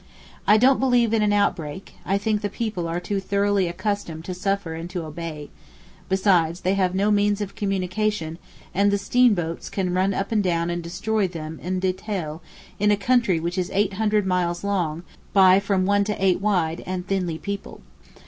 I don't believe in an outbreak—I think the people are too thoroughly accustomed to suffer and to obey, besides they have no means of communication, and the steamboats can run up and down and destroy them en détail in a country which is eight hundred miles long by from one to eight wide, and thinly peopled.